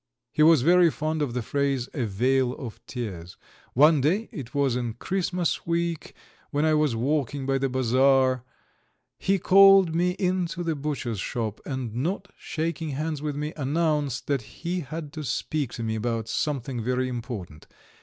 He was very fond of the phrase "a vale of tears." One day it was in Christmas week, when I was walking by the bazaar he called me into the butcher's shop, and not shaking hands with me, announced that he had to speak to me about something very important.